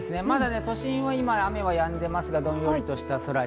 まだ都心は今、雨はやんでいますが、どんよりとした空。